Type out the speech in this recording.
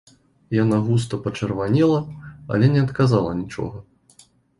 Яна густа пачырванела, але не адказала нічога.